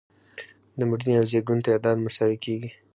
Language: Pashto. د مړینې او زیږون تعداد مساوي کیږي.